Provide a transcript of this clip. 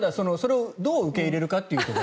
それをどう受け入れるか。